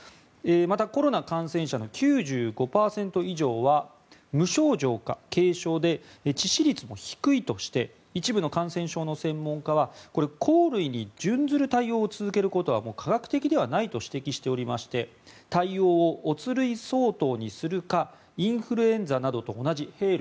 またコロナ感染者の９５％以上は無症状か軽症で致死率も低いとして一部の感染症専門家は甲類に準ずる対応を続けることは科学的ではないと指摘しておりまして対応を乙類相当にするかインフルエンザなどと同じ丙類